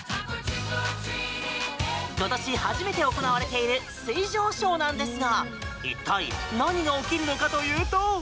今年初めて行われている水上ショーなんですが一体何が起きるのかというと。